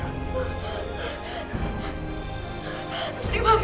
terima kasih kak